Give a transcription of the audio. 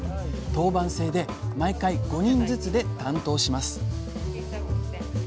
当番制で毎回５人ずつで担当します